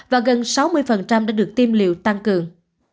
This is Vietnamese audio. và gần sáu mươi đã được tiêm liệu tăng cường